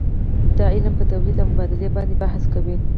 دا علم په تولید او مبادلې باندې بحث کوي.